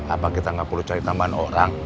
apa kita nggak perlu cari tambahan orang